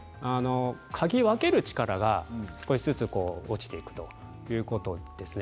嗅ぎ分ける力が少しずつ落ちていくということですね。